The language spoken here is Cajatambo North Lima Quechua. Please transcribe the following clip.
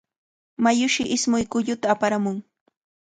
Mayushi ismush kulluta aparamun.